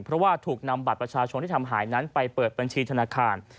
เพราะว่าถูกนำบัตรประชาชนที่ทำหายนั้นไปเปิดบัญชีธนาคาร